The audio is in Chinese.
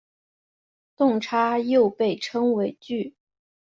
动差又被称为矩。